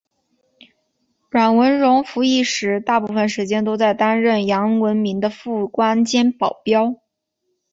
阮文戎服役时大部分时间都担任杨文明的副官兼保镖。